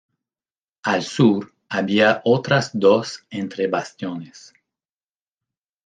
Al sur había otras dos entre bastiones.